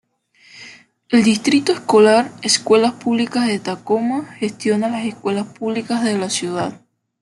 El distrito escolar Escuelas Públicas de Tacoma gestiona las escuelas públicas de la ciudad.